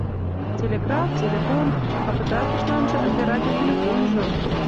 Телеграф, телефон, а пытартышланже ынде радиотелефонжо!